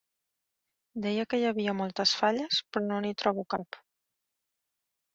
Deia que hi havia moltes falles, però no n'hi trobo cap.